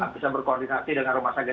bisa berkoordinasi dengan rumah sakit